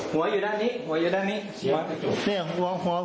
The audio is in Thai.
หัวอยู่ด้านนี้หัวอยู่ด้านนี้